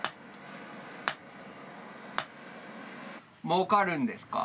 もうかるんですか？